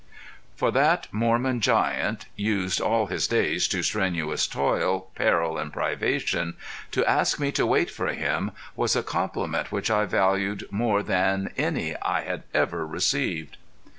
For that Mormon giant used all his days to strenuous toil, peril and privation to ask me to wait for him, was a compliment which I valued more than any I had ever received.